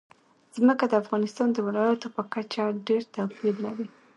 ځمکه د افغانستان د ولایاتو په کچه ډېر توپیر لري.